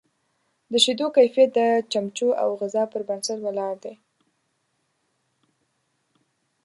د شیدو کیفیت د چمچو او غذا پر بنسټ ولاړ دی.